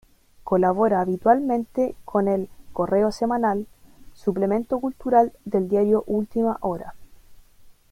Colabora habitualmente con el "Correo Semanal", suplemento cultural del diario Última Hora.